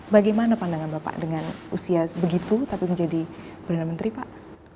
bagaimana pandangan bapak dengan usia begitu tapi menjadi perdana menteri pak